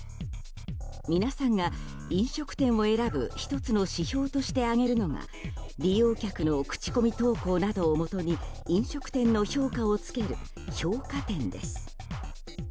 皆さんが飲食店を選ぶ１つの指標として挙げるのが利用客の口コミ投稿などをもとに飲食店の評価をつける評価点です。